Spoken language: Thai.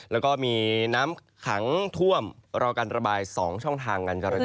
แล้วก็มีน้ำขังท่วมรอการระบาย๒ช่องทางการจราจร